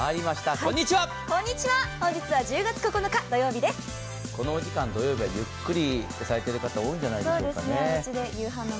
このお時間、土曜日はゆっくりされている方が多いんじゃないでしょうか。